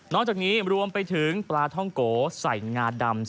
จากนี้รวมไปถึงปลาท่องโกใส่งาดำ